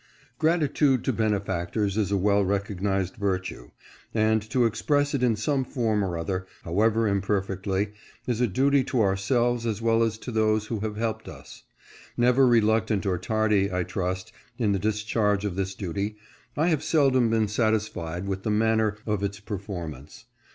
"^ RATITUDE to benefactors is a well recognized vir \JT tue, and to express it in some form or other, however imperfectly, is a duty to ourselves as well as to those who have helped us. Never reluctant or tardy, I trust, in the discharge of this duty, I have seldom been satisfied with the manner of its performance.